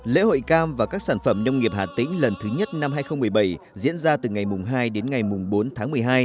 lễ hội cam và các sản phẩm nông nghiệp hà tĩnh lần thứ nhất năm hai nghìn một mươi bảy diễn ra từ ngày hai đến ngày bốn tháng một mươi hai